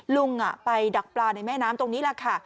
ลุงไปดักปลาในแม่น้ำตรงนี้แหละค่ะ